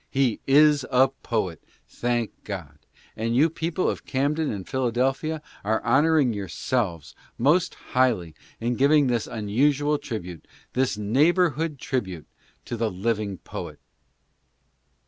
He is a poet, thank God ! and you people of Camden and Philadelphia are honoring yourselves most highly in giving this unusual tribute, this neighborhood tribute, to the living poet.